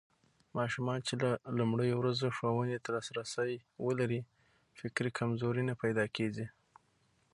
ماشومان چې له لومړيو ورځو ښوونې ته لاسرسی ولري، فکري کمزوري نه پيدا کېږي.